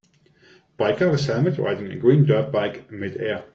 Biker with helmet riding a green dirt bike midair.